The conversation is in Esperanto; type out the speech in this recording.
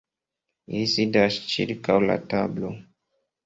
Ili sidas ĉirkaŭ la tablo.